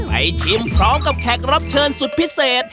ชิมพร้อมกับแขกรับเชิญสุดพิเศษ